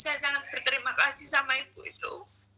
saya sangat berterima kasih sama ibu itu